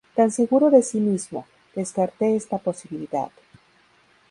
tan seguro de sí mismo, descarté esta posibilidad